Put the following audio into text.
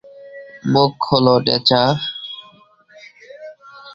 মুখ খোলো, ডেচা।